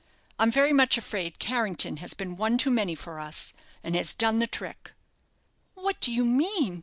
I'm very much afraid Carrington has been one too many for us, and has done the trick." "What do you mean?"